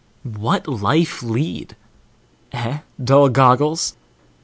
What life lead? eh, dull goggles?